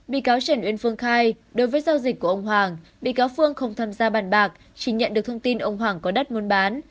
bị cáo trần uyên phương khai đối với giao dịch của ông hoàng bị cáo phương không tham gia bàn bạc chỉ nhận được thông tin ông hoàng có đất muốn bán